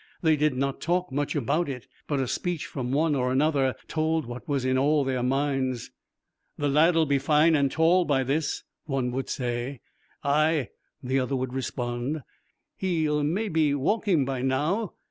They did not talk much about it, but a speech from one or another told what was in all their minds. 'The lad'll be fine and tall by this,' one would say. 'Ay,' the other would respond, 'he'll be maybe walking by now.'